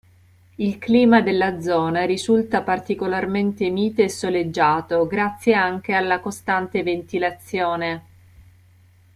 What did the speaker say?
Il clima della zona risulta particolarmente mite e soleggiato, grazie anche alla costante ventilazione.